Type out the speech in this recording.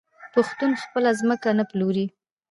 پښتون خپله ځمکه نه پلوري.